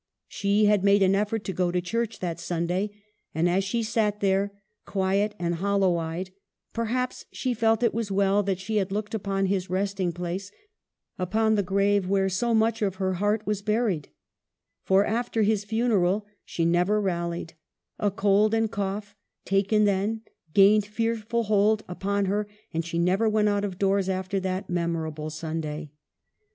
She had made an effort to go to church that Sunday, and as she sat there, quiet and hollow eyed, perhaps she felt it was well that she had looked upon his resting place, upon the grave where so much of her heart was buried For, after his funeral, she never rallied ; a cold and cough, taken then, gained fearful hold upon her, and she never went out of doors after that memorable Sunday.